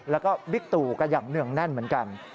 แล้วก็บิ๊กตู่กันอย่างเนื่องแน่นเหมือนกัน